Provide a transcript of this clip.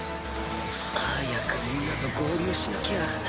早くみんなと合流しなきゃ。